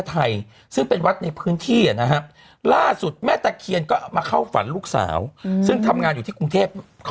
ต่อไปคงไม่มีเรื่องแปลกให้เข้าบ้างเหรอ